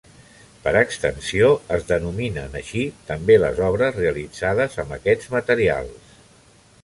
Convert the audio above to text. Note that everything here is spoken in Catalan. Per extensió es denominen així també les obres realitzades amb aquests materials.